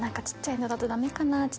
「小っちゃいのだとダメかな？